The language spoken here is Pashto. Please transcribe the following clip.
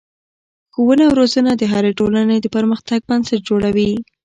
ښوونه او روزنه د هرې ټولنې د پرمختګ بنسټ جوړوي.